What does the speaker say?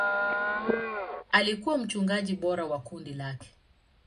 Alikuwa mchungaji bora wa kundi lake.